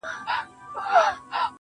اوس خو رڼاگاني كيسې نه كوي